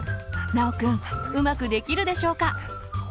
尚くんうまくできるでしょうか？